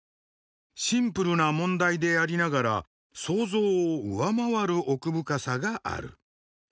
シンプルな問題でありながら想像を上回る奥深さがある。